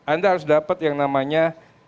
anda harus dapat yang namanya